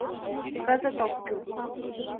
— Кызыт ок кӱл.